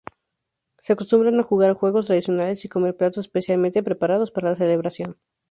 Se acostumbra jugar a juegos tradicionales y comer platos especialmente preparados para la celebración.